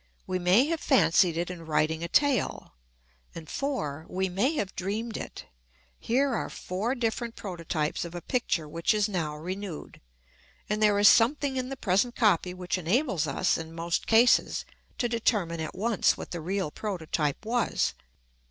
We may have fancied it in writing a tale, and 4. We may have dreamed it. Here are four different prototypes of a picture which is now renewed, and there is something in the present copy which enables us, in most cases, to determine at once what the real prototype was.